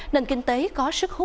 nên kinh tế có sức khỏe